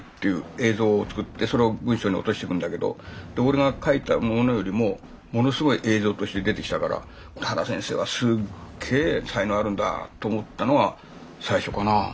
映像を作ってそれを文章に落としてくんだけど俺が書いたものよりもものすごい映像として出てきたから原先生はすっげえ才能あるんだと思ったのが最初かなあ。